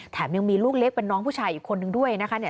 ยังมีลูกเล็กเป็นน้องผู้ชายอีกคนนึงด้วยนะคะ